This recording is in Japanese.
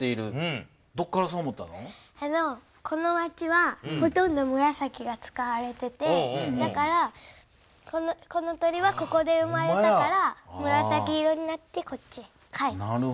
この町はほとんどむらさきが使われててだからこの鳥はここで生まれたからむらさき色になってこっちへ帰る。